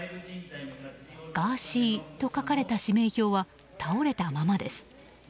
ガーシーと書かれた指名票は倒れたままです。